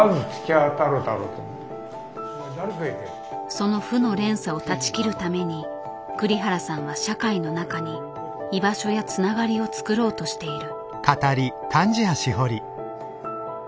その負の連鎖を断ち切るために栗原さんは社会の中に居場所やつながりをつくろうとしている。